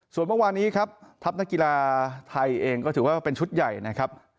ส่วนเมื่อวานี้ครับทัพนักกีฬาไทยเองก็ถือว่าเป็นชุดใหญ่นะครับ